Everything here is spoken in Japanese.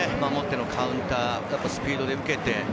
守ってのカウンター、スピードで受けて。